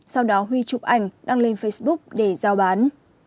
sau đó huy chụp ảnh đăng lên facebook để giao bán